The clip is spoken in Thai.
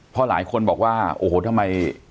เพราะหลายคนบอกว่าโอ้โหทำไม